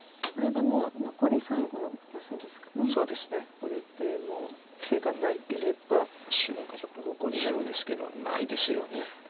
これでもう手がなければ白がちょっと残りそうですけどないですよね。